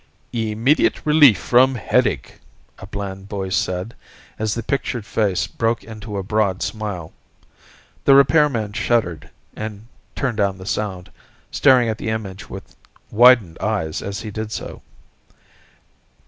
"... Immediate relief from headache," a bland voice said, as the pictured face broke into a broad smile. The repairman shuddered, and turned down the sound, staring at the image with widened eyes as he did so.